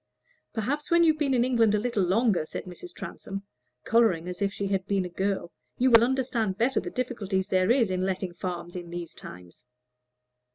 "Perhaps when you've been in England a little longer," said Mrs. Transome, coloring as if she had been a girl, "you will understand better the difficulty there is in letting farms these times."